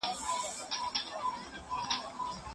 بیا به ګل بیا به بلبل وی شالمار به انار ګل وي